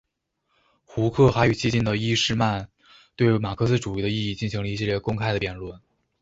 胡克还与激进的伊士曼对马克思主义的意义进行了一系列公开的辩论。